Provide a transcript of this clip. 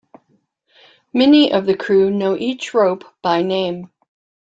Many of the crew know each rope by name.